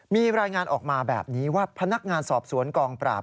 มีรายงานออกมาแบบนี้ว่าพนักงานสอบสวนกองปราบ